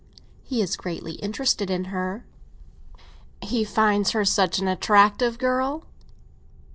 "He is greatly interested in her." "He finds her such an attractive girl?"